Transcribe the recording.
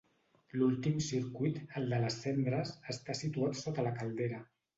L'últim circuit, el de les cendres, està situat sota la caldera.